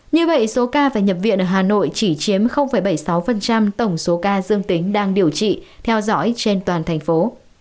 như vậy số ca phải nhập viện ở hà nội chỉ chiếm bảy mươi sáu tổng số ca dương tính đang điều trị theo dõi trên toàn thành phố